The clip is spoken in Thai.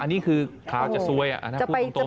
อันนี้คือขาวจะซวยอ่ะนะครับพูดตรง